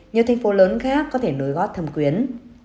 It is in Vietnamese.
nhiều thành phố lớn khác có thể nối gót thâm quyến